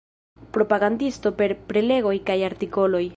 Propagandisto per prelegoj kaj artikoloj.